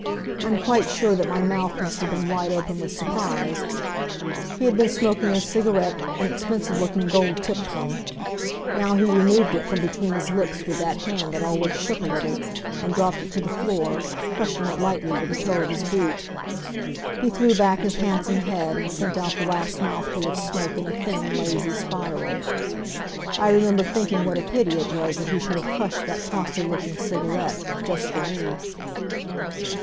I'm quite sure that my mouth must have been wide open with surprise. He had been smoking a cigarette an expensive looking, gold tipped one. Now he removed it from between his lips with that hand that always shook a little, and dropped it to the floor, crushing it lightly with the toe of his boot. He threw back his handsome head and sent out the last mouthful of smoke in a thin, lazy spiral. I remember thinking what a pity it was that he should have crushed that costly looking cigarette, just for me.